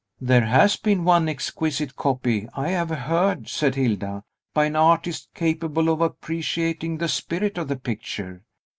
"There has been one exquisite copy, I have heard," said Hilda, "by an artist capable of appreciating the spirit of the picture.